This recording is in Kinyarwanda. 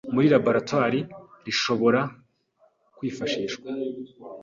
muri laboratoire rishobora kwifashishwa